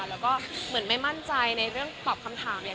แล้วก็เหมือนไม่มั่นใจในเรื่องตอบคำถามเนี่ย